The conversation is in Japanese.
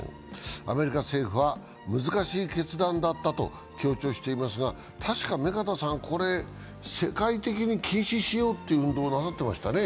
アメリカ政府は難しい決断だったと強調していますが確か目加田さん、世界的にこれ禁止しようという運動をなさってましたね。